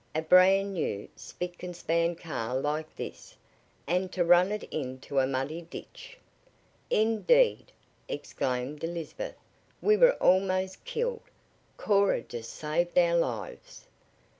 A brand new, spick and span car like this! And to run it into a muddy ditch!" "Indeed!" exclaimed Elizabeth. "We were almost killed! Cora just saved our lives!"